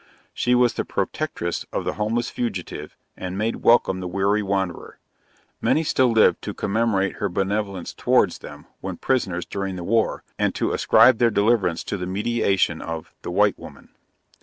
She was the protectress of the homeless fugitive, and made welcome the weary wanderer. Many still live to commemorate her benevolence towards them, when prisoners during the war, and to ascribe their deliverance to the mediation of "The White Woman."